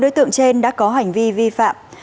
năm đối tượng trên đã có hành vi vi phạm